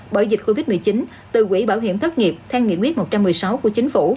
bởi dịch covid một mươi chín từ quỹ bảo hiểm thất nghiệp theo nghị quyết một trăm một mươi sáu của chính phủ